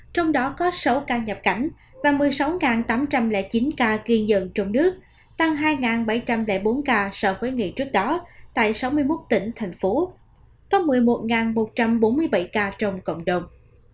trong đó có sáu ca nhập cảnh và một mươi sáu tám trăm linh chín ca ghi nhận trong nước tăng hai bảy trăm linh bốn ca so với ngày trước đó tại sáu mươi một tỉnh thành phố có một mươi một một trăm bốn mươi bảy ca trong cộng đồng